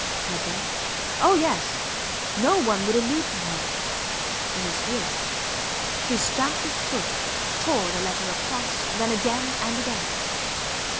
Had they? Oh, yes. No one would allude to her ... in his hearing. He stamped his foot, tore the letter across, then again and again.